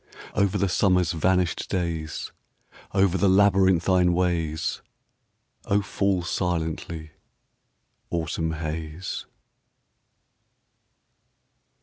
Over the summer's vanished days. Over the labyrinthine ways, O, fall silently, autumn haze